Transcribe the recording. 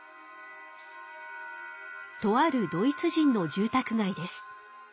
とあるドイツ人の住たく街です。